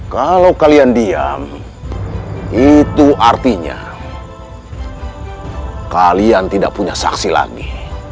kalau kalian diam itu artinya kalian tidak punya saksi lagi